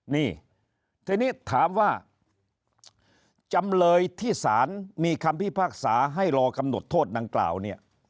นี่ทีนี้ถามว่าจำเลยที่สารมีคำพิพากษาให้รอกำหนดโทษดังกล่าวเนี่ย